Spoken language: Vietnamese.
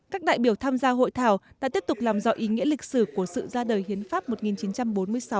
các đại biểu tham gia hội thảo đã tiếp tục làm rõ ý nghĩa lịch sử của sự ra đời hiến pháp một nghìn chín trăm bốn mươi sáu